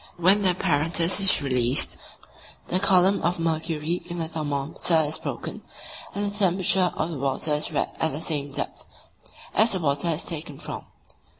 When the apparatus is released, the column of mercury in the thermometer is broken, and the temperature of the water is read at the same depth as the water is taken from.